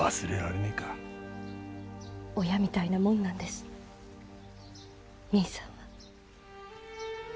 親みたいなもんなんです兄さんは。